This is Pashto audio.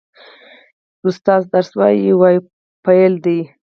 ښوونکی درس وايي – "وايي" فعل دی.